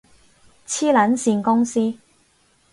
黐撚線公司